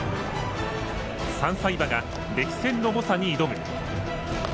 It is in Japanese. ３歳馬が歴戦の猛者に挑む。